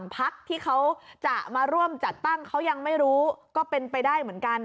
พักที่เขาจะมาร่วมจัดตั้งเขายังไม่รู้ก็เป็นไปได้เหมือนกัน